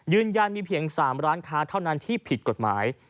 ยืนยันมีเพียง๓ร้านค้าเท่านั้นที่ผิดกฎหมาย